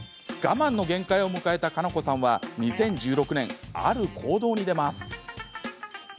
我慢の限界を迎えたカナコさんは２０１６年、ある行動に出ます。